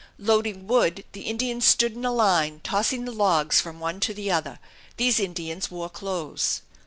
Loading wood, the Indians stood in a line, tossing the logs from one to the other. These Indians wore clothes.